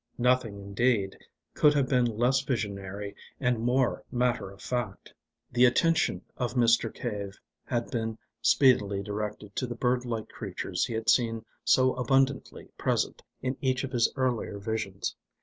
Nothing, indeed, could have been less visionary and more matter of fact. The attention of Mr. Cave had been speedily directed to the bird like creatures he had seen so abundantly present in each of his earlier visions.